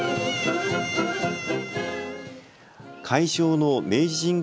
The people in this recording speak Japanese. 会場の明治神宮